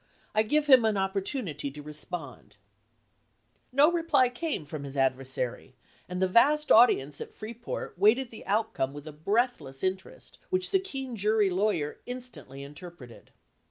I give him an opportunity to respond" No reply came from his adversary, and the vast audience at Freeport waited the outcome with a breathless interest which the keen jury lawyer instantly interpreted.